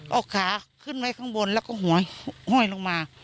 เอาขาขึ้นไว้ข้างบนแล้วก็หัวห้อยลงมา